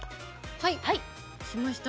はい押しました。